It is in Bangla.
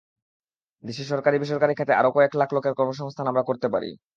দেশে সরকারি-বেসরকারি খাতে আরও কয়েক লাখ লোকের কর্মসংস্থান আমরা করতে পারি।